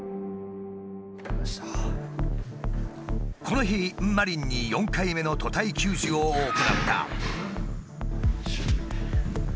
この日マリンに４回目の屠体給餌を行った。